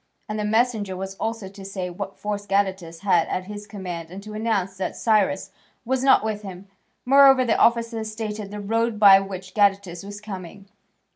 And the messenger was also to say what force Gadatas had at his command and to announce that Cyrus was not with him. Moreover, the officer stated the road by which Gadatas was coming.